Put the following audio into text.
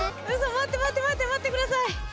待って待って待って、待ってください。